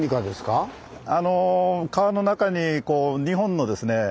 あの川の中に２本のですね